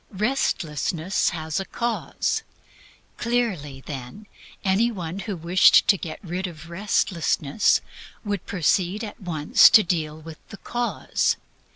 Restlessness has a cause. Clearly, then, any one who wished to get rid of restlessness would proceed at once to deal with the cause.